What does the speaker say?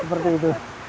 ya seperti itu